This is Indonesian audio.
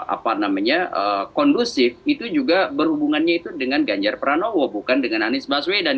apa namanya kondusif itu juga berhubungannya itu dengan ganjar pranowo bukan dengan anies baswedan